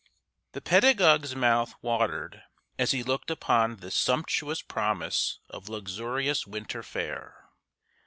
The pedagogue's mouth watered as he looked upon this sumptuous promise of luxurious winter fare.